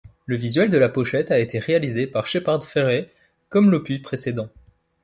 Le visuel de la pochette a été réalisé par Shepard Fairey comme l'opus précédent.